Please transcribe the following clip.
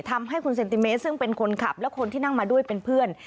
ทำให้คุณเซนติเมตรซึ่งเป็นคนขับและคนที่นั่งมาด้วยเป็นเพื่อน